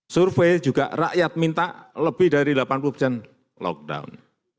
survei juga rakyat minta lebih dari delapan puluh persen lockdown